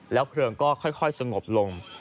เพลิงก็ค่อยสงบลง